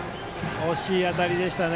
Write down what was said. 惜しい当たりでしたね。